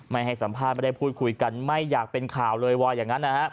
ไม่ให้สัมภาษณ์ไม่ได้พูดคุยกันไม่อยากเป็นข่าวเลยว่าอย่างนั้นนะฮะ